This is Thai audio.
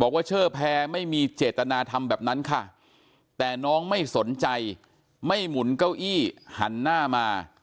บอกว่าเชอร์แพรไม่มีเจตนาทำแบบนั้นค่ะแต่น้องไม่สนใจไม่หมุนเก้าอี้หันหน้ามา